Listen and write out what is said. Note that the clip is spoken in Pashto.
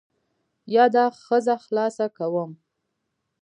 یا دا ښځه خلاصه کوم.